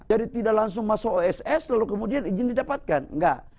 jadi tidak langsung masuk oss lalu kemudian izin didapatkan enggak